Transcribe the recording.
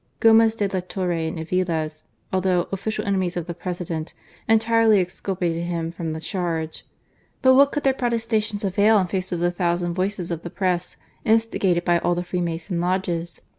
Gomez de la Torre and Aviles, although official enemies of the President, entirely exculpated him from the charge ; but what could their protesta tions avail in face of the thousand voices of the Press, instigated by all the Freemason Lodges?